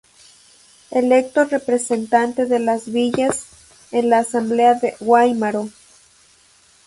Electo representante de Las Villas en la Asamblea de Guáimaro.